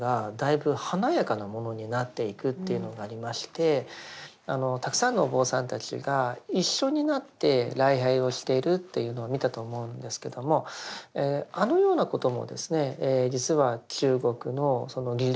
実際にそのたくさんのお坊さんたちが一緒になって礼拝をしているというのを見たと思うんですけどもあのようなこともですね